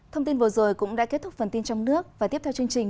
thông tin vừa rồi cũng đã kết thúc phần tin trong nước và tiếp theo chương trình